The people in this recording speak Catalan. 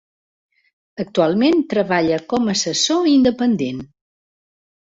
Actualment treballa com a assessor independent.